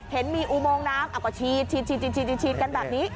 เห็นมีอุโมงน้ำเอาก็ฉีดกันแบบนี้